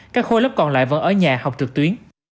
các khối lớp còn lại vẫn ở nhà học trực tuyến